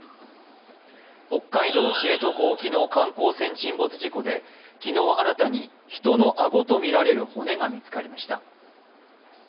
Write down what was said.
北海道知床沖の観光船沈没事故で昨日、新たに人の顎とみられる骨が見つかりました。